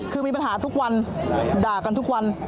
คือมีปัญหาทุกวันด่ากันทุกวัน